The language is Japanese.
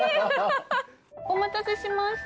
お待たせしました。